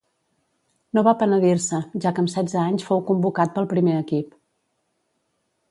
No va penedir-se, ja que amb setze anys fou convocat pel primer equip.